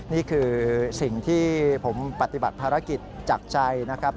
นี่คือสิ่งที่ผมปฏิบัติภารกิจจากใจนะครับ